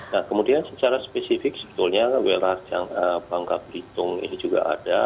nah kemudian secara spesifik sebetulnya wilayah bangka belitung ini juga ada